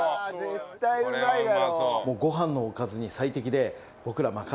絶対うまいだろ。